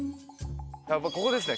ここですね